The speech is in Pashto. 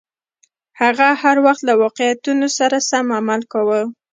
هغه هر وخت له واقعیتونو سره سم عمل کاوه.